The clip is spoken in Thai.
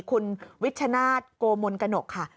คุณวิชนาธิ์โกมนกระหนกค่ะ